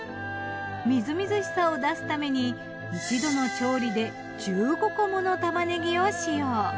みずみずしさを出すために１度の調理で１５個もの玉ねぎを使用。